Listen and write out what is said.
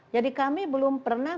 jadi kami belum pernah